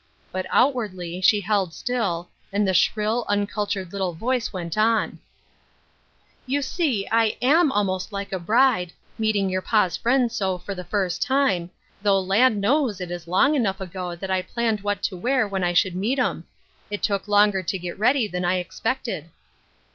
But outwardly she held still, and the shrill, uncultured little voice went on :" You see I am almost like a bride, meeting your pa's friends so for the first time, though land, knows it is long enough ago that I planned what to wear when I should meet 'em. It took longer to get ready than I expected."